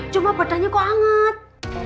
cuma badannya kok anget